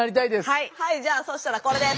じゃあそしたらこれです。